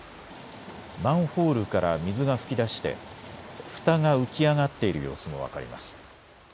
マンホールから水が噴き出してふたが浮き上がっている様子も分かります。